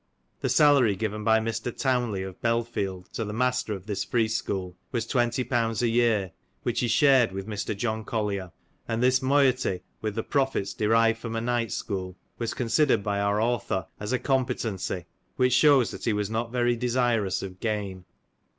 The salary given by Mr. Townley, of Belfield, to the master of this free school, was twenty pounds a year, which he shared with Mr. John Collier ; and this moiety with the profits derived from a night school, was considered by our author as a com petency, which shews that he was not very desirous of gain.